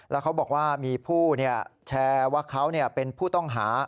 แล้วเขาบอกว่ามีผู้แชร์ว่าเขาเป็นผู้ต้องหา